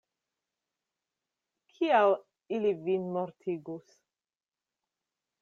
Kial, ili vin mortigus?